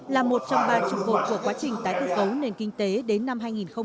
là một trong ba trục vụ của quá trình tái cơ cấu nền kinh tế đến năm hai nghìn hai mươi